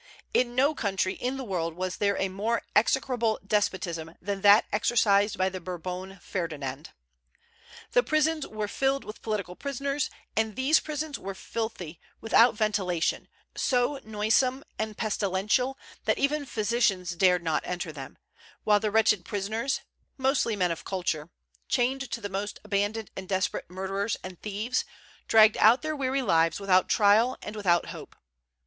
In no country in the world was there a more execrable despotism than that exercised by the Bourbon Ferdinand. The prisons were filled with political prisoners; and these prisons were filthy, without ventilation, so noisome and pestilential that even physicians dared not enter them; while the wretched prisoners, mostly men of culture, chained to the most abandoned and desperate murderers and thieves, dragged out their weary lives without trial and without hope.